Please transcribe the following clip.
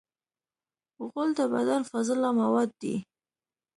غول د بدن فاضله مواد دي.